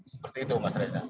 seperti itu mas reza